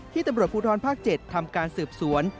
ตำรวจภูทรภาค๗ทำการสืบสวน